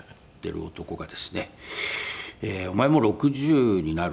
「お前も６０になる。